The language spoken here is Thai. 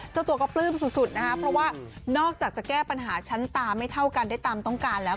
เจ้าตัวก็ปลื้มสุดนะคะเพราะว่านอกจากจะแก้ปัญหาชั้นตาไม่เท่ากันได้ตามต้องการแล้ว